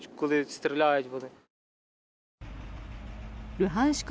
ルハンシク